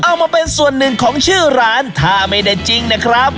เอามาเป็นส่วนหนึ่งของชื่อร้านถ้าไม่ได้จริงนะครับ